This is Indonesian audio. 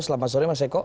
selamat sore mas eko